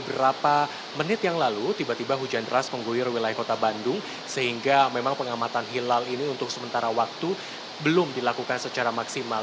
beberapa menit yang lalu tiba tiba hujan deras mengguyur wilayah kota bandung sehingga memang pengamatan hilal ini untuk sementara waktu belum dilakukan secara maksimal